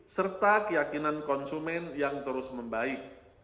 serta keyakinan konsumen yang terbaik